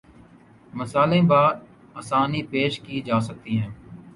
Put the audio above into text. مثالیں باآسانی پیش کی جا سکتی ہیں